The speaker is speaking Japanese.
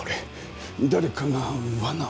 誰かが罠を。